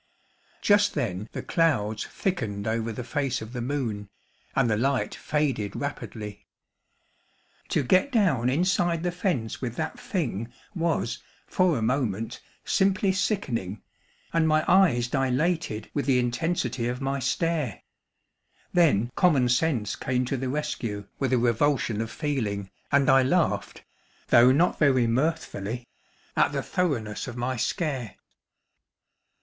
Just then the clouds thickened over the face of the moon, and the light faded rapidly. To get down inside the fence with that thing was, for a moment, simply sickening, and my eyes dilated with the intensity of my stare. Then common sense came to the rescue, with a revulsion of feeling, and I laughed—though not very mirthfully—at the thoroughness of my scare.